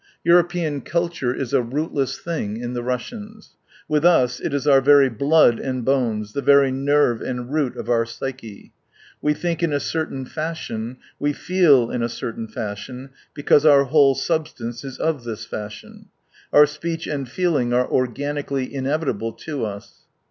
European culture is a rootless thing in the Russians. With us, it is our very blood and bones, the very nerve and root of our psyche. We think in a certain fashion, we feel in a certain fashion, because our whole substance is of this fashion. Our speech and feeling are organically inevitable to us.